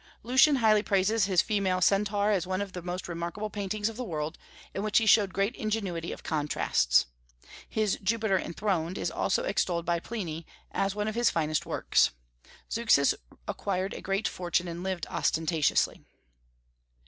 Lucian highly praises his Female Centaur as one of the most remarkable paintings of the world, in which he showed great ingenuity of contrasts. His Jupiter Enthroned is also extolled by Pliny, as one of his finest works. Zeuxis acquired a great fortune, and lived ostentatiously.